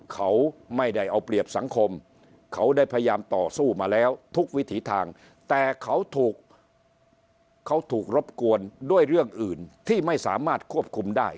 เขาไม่ได้เอาเปรียบสังคมเขาได้พยายามต่อสู้มาแล้วทุกวิถีทางแต่เขาถูกเขาถูกรบกวนด้วยเรื่องอื่นที่ไม่สามารถควบคุมได้